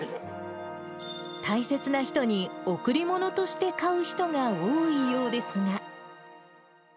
大切な人に贈り物として買う人が多いようですが。